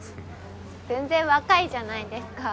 全然若いじゃないですか。